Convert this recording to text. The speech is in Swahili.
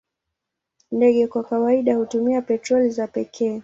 Ndege kwa kawaida hutumia petroli za pekee.